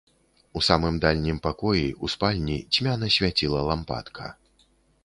У самым дальнім пакоі, у спальні, цьмяна свяціла лампадка.